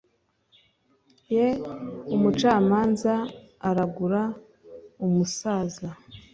ye umucamanza uragura umusaza